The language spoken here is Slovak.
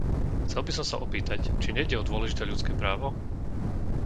Chcel by som sa opýtať, či nejde o dôležité ľudské právo?